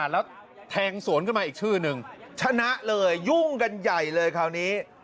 แล้วแทงสวนขึ้นมาอีกชื่อนึงชนะเลยยุ่งกันใหญ่เลยคราวนี้